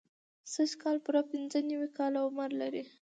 سږ کال پوره پنځه نوي کاله عمر لري.